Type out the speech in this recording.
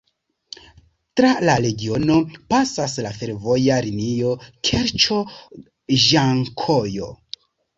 Tra la regiono pasas la fervoja linio Kerĉo-Ĝankojo.